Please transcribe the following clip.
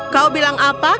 kau bilang apakah ya